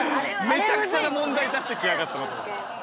めちゃくちゃな問題出してきやがったなと。